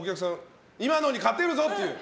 今のに勝てるぞって。